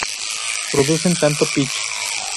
Producen tanto Pich!